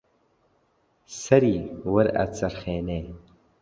سەری وەرئەچەرخێنێ